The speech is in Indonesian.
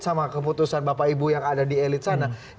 sama keputusan bapak ibu yang ada di elit sana